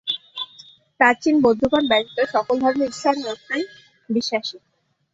প্রাচীন বৌদ্ধগণ ব্যতীত সকল ধর্ম ঈশ্বর ও আত্মায় বিশ্বাসী।